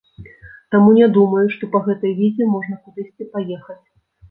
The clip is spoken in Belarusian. Таму не думаю, што па гэтай візе можна кудысьці паехаць.